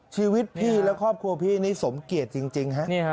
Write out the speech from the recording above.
ชีวิตพี่และครอบครัวพี่นี่สมเกียจจริงฮะ